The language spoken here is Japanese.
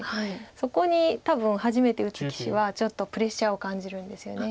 そこに多分初めて打つ棋士はちょっとプレッシャーを感じるんですよね。